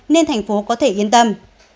nên thành phố có thể yên tâm